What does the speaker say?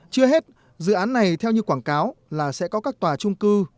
chưa hết dự án này theo như quảng cáo là sẽ có các tòa trung cư